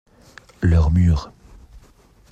Leurs murs.